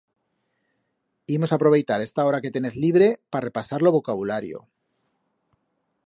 Imos a aproveitar esta hora que tenez libre pa repasar lo vocabulario.